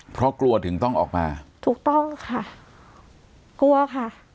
เพราะกลัวถึงต้องออกมาถูกต้องค่ะกลัวค่ะ